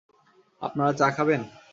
আপনারা চা খাবেন?